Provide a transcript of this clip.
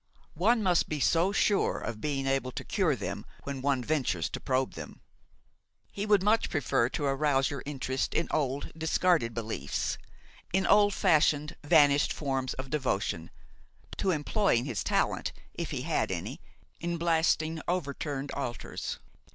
One must be so sure of being able to cure them when one ventures to probe them! He would much prefer to arouse your interest in old discarded beliefs, in old fashioned, vanished forms of devotion, to employing his talent, if he had any, in blasting overturned altars.